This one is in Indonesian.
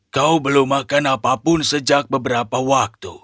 kau belum makan apapun sejak beberapa waktu